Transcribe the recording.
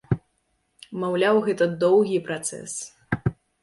Маўляў, гэта доўгі працэс.